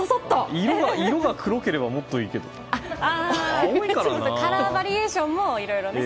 色が黒ければもっといいけどカラーバリエーションもいろいろね。